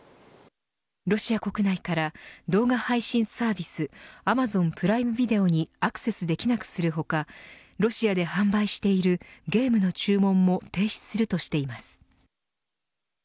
ロシア国内から動画配信サービスアマゾン・プライム・ビデオにアクセスできなくする他ロシアで販売しているゲームの注文も停止するとしています。